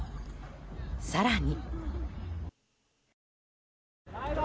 更に。